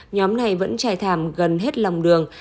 nhóm này vẫn trải thảm gần hết lòng đường